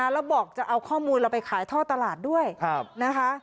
แล้วบอกจะเอาข้อมูลเราไปขายท่อตลาดด้วยนะคะ